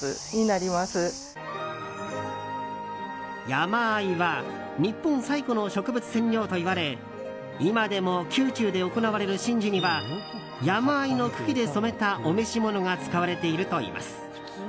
ヤマアイは日本最古の植物染料といわれ今でも、宮中で行われる神事にはヤマアイの茎で染めたお召し物が使われているといいます。